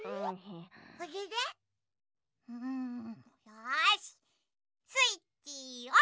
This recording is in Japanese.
あれれ？よしスイッチオン！